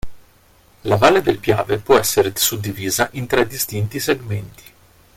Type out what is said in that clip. La Valle del Piave può essere suddivisa in tre distinti segmenti.